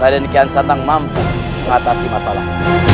ada yang bisa mengatasi masalah